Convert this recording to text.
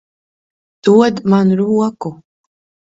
Dod man roku.